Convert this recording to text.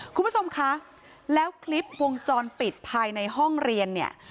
คุณผู้ชมคะแล้วคลิปวงจรปิดภายในห้องเรียนเนี่ย